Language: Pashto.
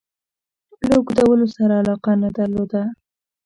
له اوږدولو سره علاقه نه درلوده.